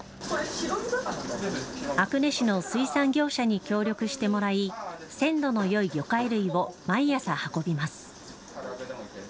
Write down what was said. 阿久根市の水産業者に協力してもらい鮮度のよい魚介類を毎朝、運びます。